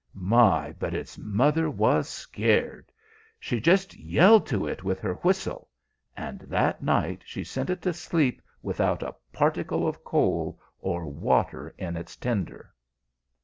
My, but its mother was scared! She just yelled to it with her whistle; and that night she sent it to sleep without a particle of coal or water in its tender.